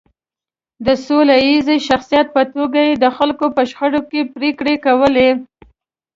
د سوله ییز شخصیت په توګه یې د خلکو په شخړو کې پرېکړې کولې.